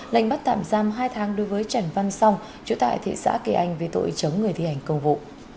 lệnh bắt tạm giam hai tháng đối với trần văn song chủ tại thị xã kỳ anh về tội chống người thi hành công vụ